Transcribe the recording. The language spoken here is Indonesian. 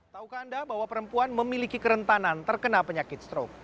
taukah anda bahwa perempuan memiliki kerentanan terkena penyakit stroke